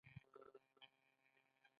آیا دا اوبه د پوستکي لپاره ښې نه دي؟